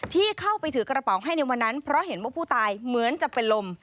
ที่เข้าไปถือกระเป๋าให้ในวันนั้นเพราะเห็นว่าผู้ตายเหมือนจะเป็นลม